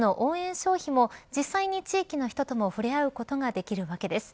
消費も実際に地域の人とも触れ合うことができるわけです。